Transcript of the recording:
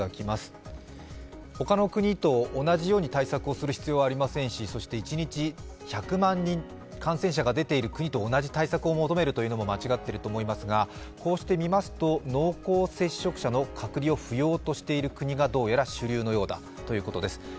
他の国と同じように対策をする必要はありませんしそして一日１００万人感染者が出ている国と同じ対策を立てるのは間違っていると思いますがこうして見ますと、濃厚接触者の隔離を不要としている国がどうやら主流のようだということです。